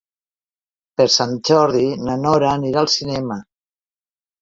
Per Sant Jordi na Nora anirà al cinema.